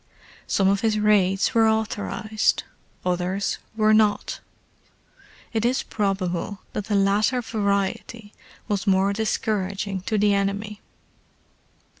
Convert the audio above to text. Some of his raids were authorized: others were not. It is probable that the latter variety was more discouraging to the enemy.